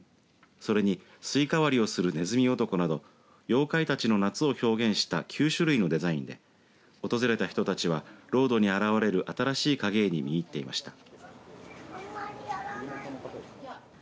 それにすいか割りをする、ねずみ男など妖怪たちの夏を表現した９種類のデザインで訪れた人たちはロードに現れる新しい影絵に見入っていました。